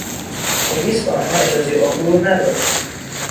پلیس به آنها اجازهی عبور نداد.